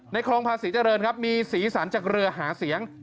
ในคล้องพระศรีเจริญครับมีศีรษนจากเรือหาเสียง